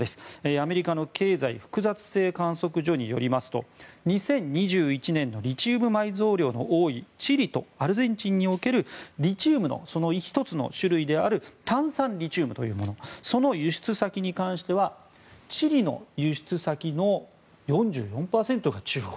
アメリカの経済複雑性観測所によりますと２０２１年のリチウムイオン埋蔵量の多いチリとアルゼンチンにおけるリチウムの種類の１つである炭酸リチウムというものの輸出先に関してはチリの輸出先の４４％が中国。